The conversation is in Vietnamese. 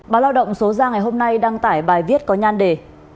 báo lao động số ra ngày hôm nay đăng tải bài viết có nhan đề